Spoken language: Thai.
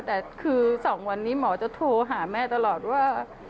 แต่คือ๒วันนี้หมอจะโทรหาแม่ตลอดว่า